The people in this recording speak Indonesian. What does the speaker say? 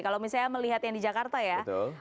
kalau misalnya melihat yang di jakarta ya